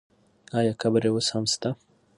آیا قبر یې اوس هم شته؟